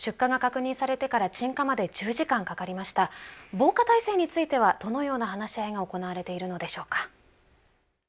防火体制についてはどのような話し合いが行われているのでしょうか。